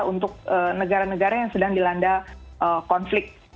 untuk negara negara yang sedang dilanda konflik